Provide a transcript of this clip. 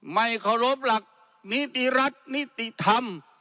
ไม่เคารพหลักนิติรัฐนิติธรรม